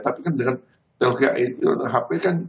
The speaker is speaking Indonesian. tapi kan dengan teknologi ai dan hp kan